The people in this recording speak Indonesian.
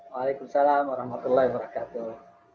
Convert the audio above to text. waalaikumsalam warahmatullahi wabarakatuh